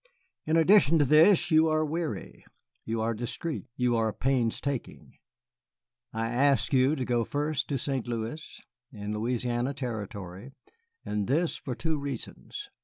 In addition to this you are wary, you are discreet, you are painstaking. I ask you to go first to St. Louis, in Louisiana territory, and this for two reasons.